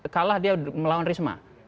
kalah dia melawan risma